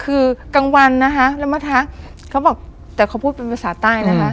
คือกลางวันนะคะแล้วมาทักเขาบอกแต่เขาพูดเป็นภาษาใต้นะคะ